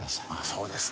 そうですね。